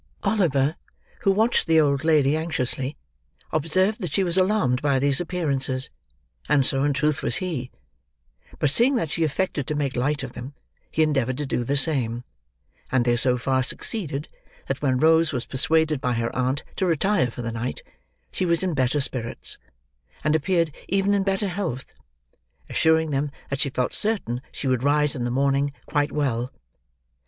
Oliver, who watched the old lady anxiously, observed that she was alarmed by these appearances; and so in truth, was he; but seeing that she affected to make light of them, he endeavoured to do the same, and they so far succeeded, that when Rose was persuaded by her aunt to retire for the night, she was in better spirits; and appeared even in better health: assuring them that she felt certain she should rise in the morning, quite well.